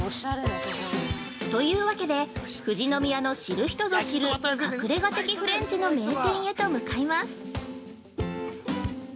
◆というわけで、富士宮の知る人ぞ知る隠れ家的フレンチの名店へと向かいます。